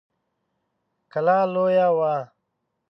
کلا لويه وه.